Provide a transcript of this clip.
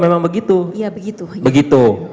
memang begitu iya begitu begitu